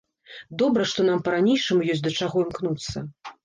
Добра, што нам па-ранейшаму ёсць да чаго імкнуцца.